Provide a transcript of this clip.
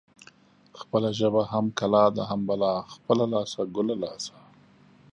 خپله ژبه هم کلا ده هم بلا. خپله لاسه ګله لاسه.